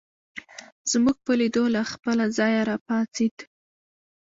زموږ په لیدو له خپله ځایه راپاڅېد.